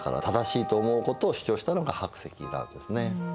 正しいと思うことを主張したのが白石なんですね。